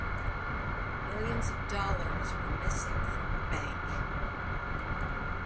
Millions of dollars were missing from the bank.